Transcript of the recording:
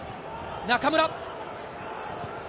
中村。